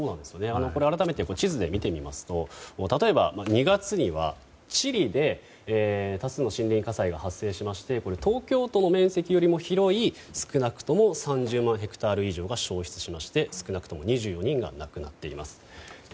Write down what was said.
改めて地図で見てみますと例えば２月にはチリで多数の森林火災が発生しましてこれ、東京都の面積よりも広い少なくとも３０万ヘクタール以上が焼失しまして、少なくとも２４人が亡くなっています。